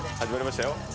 始まりましたよ。